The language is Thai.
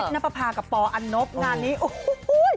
นับภาพกับปอันนบงานนี้โอ้โฮ